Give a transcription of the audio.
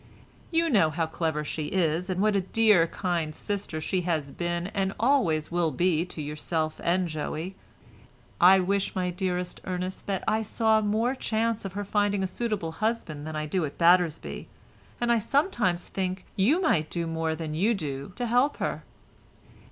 You know how clever she is, and what a dear, kind sister she has been and always will be to yourself and Joey. I wish, my dearest Ernest, that I saw more chance of her finding a suitable husband than I do at Battersby, and I sometimes think you might do more than you do to help her."